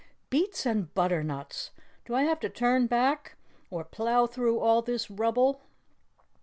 "Beets and butternuts! Do I have to turn back, or plough through all this rubble?"